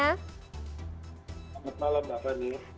selamat malam mbak fani